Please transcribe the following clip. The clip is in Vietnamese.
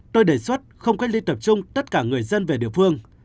tôi đề xuất không cách ly tập trung tất cả người dân về địa phương